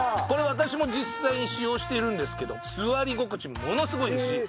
これ私も実際使用しているんですけど座り心地ものすごいいいし。